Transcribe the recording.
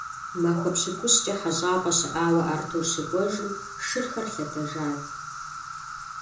Махуэ пщыкӀущкӀэ хьэщӀапӀэ щыӀауэ Артур щыкӀуэжым, шырхэр лъэтэжат.